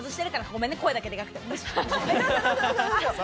ごめんね、声だけ、でかくて。